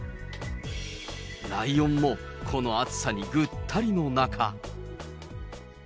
ライオンもこの暑さにぐったりの中。